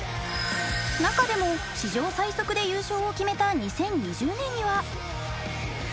中でも史上最速で優勝を決めた２０２０年には。